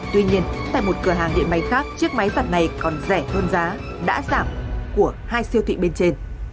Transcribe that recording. tuy nhiên tại một cửa hàng điện máy khác chiếc máy phạt này còn rẻ hơn giá đã giảm của hai siêu thị bên trên